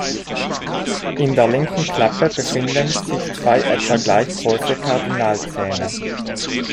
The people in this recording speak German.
In der linken Klappe befinden sich zwei etwa gleich große Kardinalzähne.